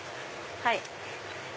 はい。